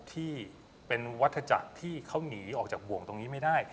ที่เป็นวัฒจักรที่เขาหนีออกจากบ่วงตรงนี้ไม่ได้